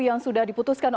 yang sudah diputuskan